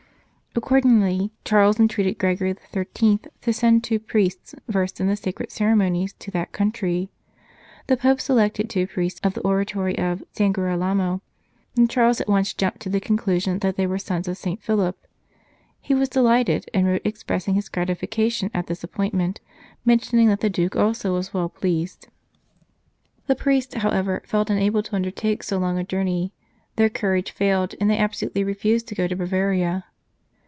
Accordingly, Charles entreated Gregory XIII. to send two priests versed in the sacred ceremonies to that country. The Pope selected two priests of the Oratory of San Girolamo, and Charles at once jumped to the conclusion that they were sons of St. Philip. He was delighted, and wrote 195 St. Charles Borromeo expressing his gratification at this appointment, mentioning that the Duke also was well pleased. The priests, however, felt unable to undertake so long a journey ; their courage failed, and they absolutely refused to go to Bavaria.